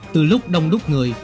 từ lúc đông đúc người